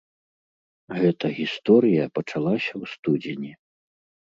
Гэта гісторыя пачалася ў студзені.